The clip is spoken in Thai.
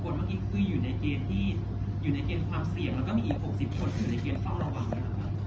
ประมาณห้านาทีถือว่าอยู่ในเกณฑ์ที่ต้องระวังนะครับ